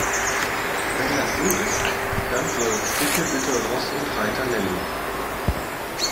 Wenn das so ist, dann soll Fricke bitte Ross und Reiter nennen.